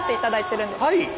はい。